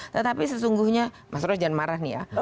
tetapi sesungguhnya mas roy jangan marah nih ya